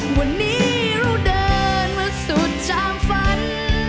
วันนี้เราเดินมาสุดจามฝัน